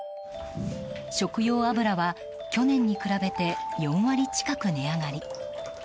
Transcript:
食用油は去年に比べて４割近く値上がり。